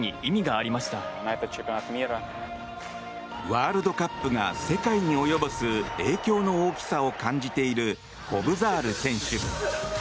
ワールドカップが世界に及ぼす影響の大きさを感じているコブザール選手。